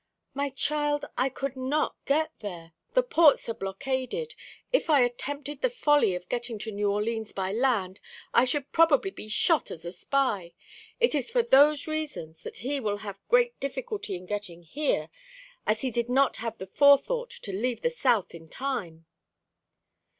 "My child, I could not get there. The ports are blockaded; if I attempted the folly of getting to New Orleans by land, I should probably be shot as a spy. It is for those reasons that he will have great difficulty in getting here, as he did not have the forethought to leave the South in time."